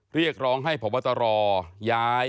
เรียกร้องให้พบตรย้าย